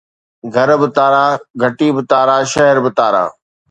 گهر به تارا، گهٽي به تارا، شهر به تارا